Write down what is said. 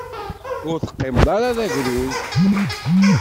Ur teqqimeḍ ara d agrud.